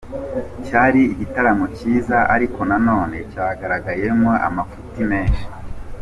Cyari igitaramo cyiza ariko nanone cyagarageyemo amafuti menshi.